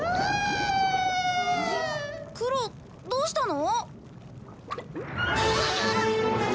クロどうしたの？